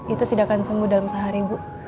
itu tidak akan sembuh dalam sehari bu